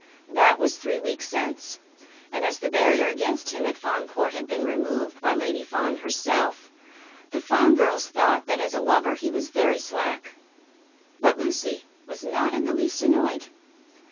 That was three weeks since, and as the barrier against him at Fawn Court had been removed by Lady Fawn herself, the Fawn girls thought that as a lover he was very slack; but Lucy was not in the least annoyed.